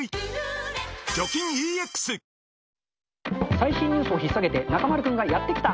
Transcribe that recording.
最新ニュースをひっさげて中丸君がやって来た。